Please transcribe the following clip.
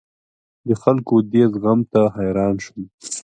د خلکو دې زغم ته حیران شوم.